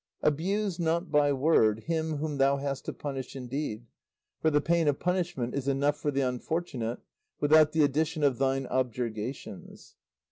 "Abuse not by word him whom thou hast to punish in deed, for the pain of punishment is enough for the unfortunate without the addition of thine objurgations.